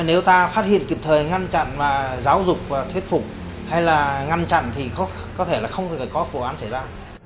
nếu ta phát hiện kịp thời ngăn chặn giáo dục và thuyết phục hay là ngăn chặn thì có thể là không có vụ án xảy ra